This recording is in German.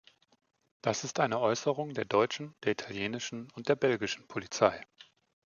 Das ist eine Äußerung der deutschen, der italienischen und der belgischen Polizei.